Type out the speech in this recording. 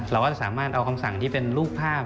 เราก็จะสามารถเอาคำสั่งที่เป็นรูปภาพ